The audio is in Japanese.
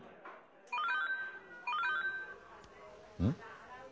うん？